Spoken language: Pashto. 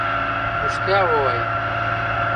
ریښتیا ووایئ.